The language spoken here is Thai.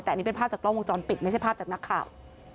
แต่อันนี้เป็นภาพจากกล้องวงจรปิดไม่ใช่ภาพจากนักข่าว